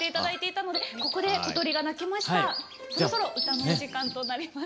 そろそろ歌のお時間となります。